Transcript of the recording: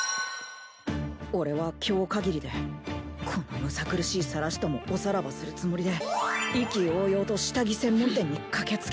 俺は今日限りでこのむさ苦しいサラシともおさらばするつもりで意気揚々と下着専門店に駆け付けたのさ。